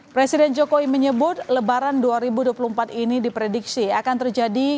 presiden jokowi menyebut lebaran dua ribu dua puluh empat ini diprediksi akan terjadi